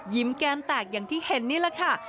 แก้มแตกอย่างที่เห็นนี่แหละค่ะ